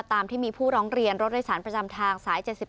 ตามที่มีผู้ร้องเรียนรถโดยสารประจำทางสาย๗๑